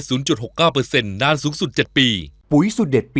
ปล่อยให้มันนอนคุกสิ